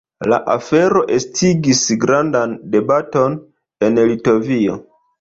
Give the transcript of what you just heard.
La afero estigis grandan debaton en Litovio.